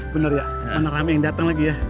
bener ya bener amin dateng lagi ya